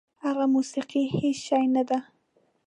هغه موسیقي هېڅ شی نه ده.